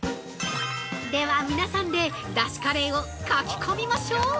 では、皆さんで出汁カレーをかき込みましょう！